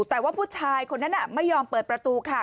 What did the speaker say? แต่ว่าผู้ชายคนนั้นไม่ยอมเปิดประตูค่ะ